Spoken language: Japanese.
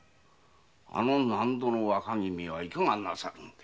あの納戸の若君はいかがなさるので？